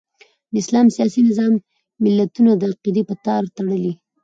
د اسلام سیاسي نظام ملتونه د عقیدې په تار تړي.